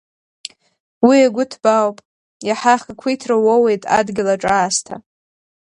Уи агәы ҭбаауп, иаҳа ахақәиҭра уоуеит адгьыл аҿы аасҭа.